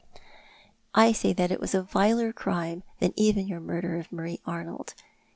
" I say that it was a viler crime than even your murder of Marie Arnold.